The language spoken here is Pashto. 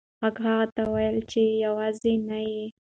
غږ هغه ته وویل چې ته یوازې نه یې.